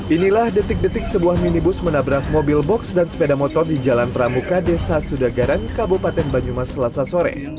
inilah detik detik sebuah minibus menabrak mobil box dan sepeda motor di jalan pramuka desa sudagaran kabupaten banyumas selasa sore